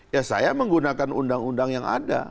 ya saya menggunakan undang undang yang ada